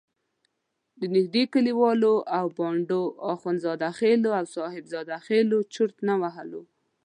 د نږدې کلیو او بانډو اخندزاده خېلو او صاحب زاده خېلو چرت نه وهلو.